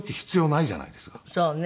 そうね。